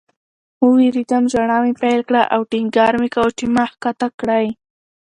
ووېرېدم. ژړا مې پیل کړه او ټینګار مې کاوه چې ما ښکته کړئ